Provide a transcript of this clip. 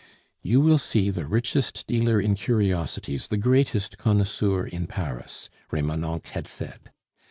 "You will see the richest dealer in curiosities, the greatest connoisseur in Paris," Remonencq had said.